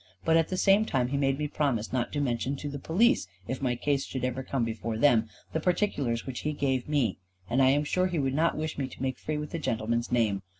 But at the same time he made me promise not to mention to the police, if my case should ever come before them, the particulars which he gave me; and I am sure he would not wish me to make free with the gentleman's name.